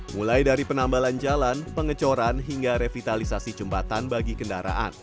mulai dari penambalan jalan pengecoran hingga revitalisasi jembatan bagi kendaraan